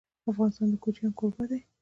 افغانستان د کوچیان کوربه دی.